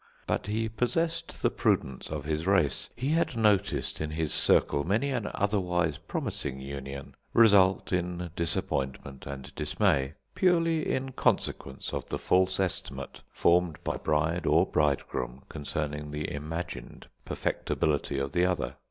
But he possessed the prudence of his race. He had noticed in his circle many an otherwise promising union result in disappointment and dismay, purely in consequence of the false estimate formed by bride or bridegroom concerning the imagined perfectability of the other.